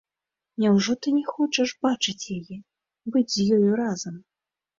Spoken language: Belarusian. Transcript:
Няўжо ты не хочаш бачыць яе, быць з ёю разам?